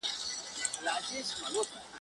د طبیعت په وړاندې